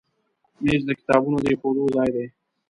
مېز د کتابونو د ایښودو ځای دی.